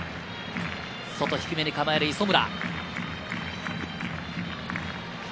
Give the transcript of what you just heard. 外低めに構える磯村。